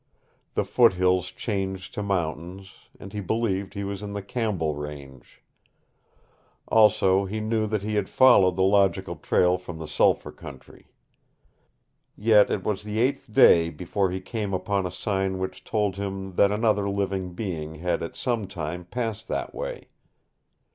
The foothills changed to mountains, and he believed he was in the Campbell Range. Also he knew that he had followed the logical trail from the sulphur country. Yet it was the eighth day before he came upon a sign which told him that another living being had at some time passed that way.